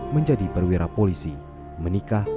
menjadi perwira polisi menikah